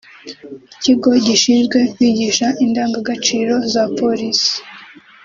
ikigo gishinzwe kwigisha indangagaciro za Polisi